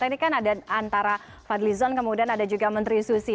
ini kan ada antara fadlizon kemudian ada juga menteri susi